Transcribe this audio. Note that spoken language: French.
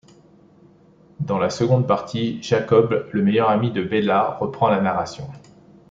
Dans la seconde partie, Jacob, le meilleur ami de Bella reprend la narration.